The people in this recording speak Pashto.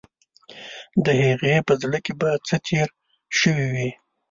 د هغې په زړه کې به څه تیر شوي وي.